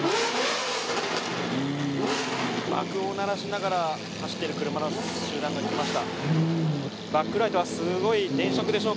爆音を鳴らしながら走っている車の集団がきました。